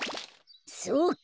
そうか。